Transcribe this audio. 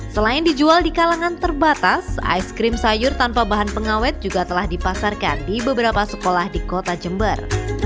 selain dijual di kalangan terbatas ice cream sayur tanpa bahan pengawet juga telah dipasarkan di beberapa sekolah di kota jember